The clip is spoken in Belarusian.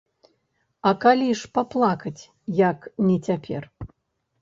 А калі ж паплакаць, як не цяпер?